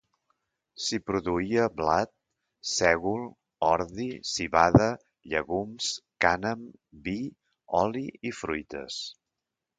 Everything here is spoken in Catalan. S'hi produïa blat, sègol, ordi, civada, llegums, cànem, vi, oli i fruites.